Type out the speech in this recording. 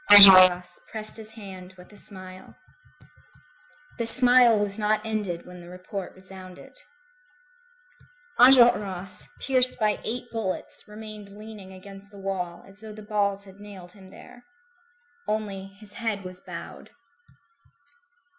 Enjolras pressed his hand with a smile. This smile was not ended when the report resounded. Enjolras, pierced by eight bullets, remained leaning against the wall, as though the balls had nailed him there. Only, his head was bowed.